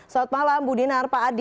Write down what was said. selamat malam budinar pak adi